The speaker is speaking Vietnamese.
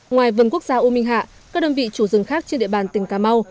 ngoài vườn quốc gia u minh hạ các đơn vị chủ rừng khác trên địa bàn tỉnh cà mau